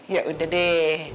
ya udah deh